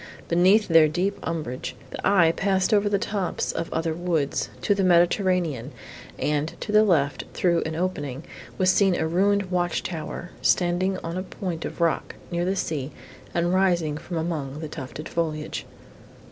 Beneath their deep umbrage, the eye passed over the tops of other woods, to the Mediterranean, and, to the left, through an opening, was seen a ruined watch tower, standing on a point of rock, near the sea, and rising from among the tufted foliage.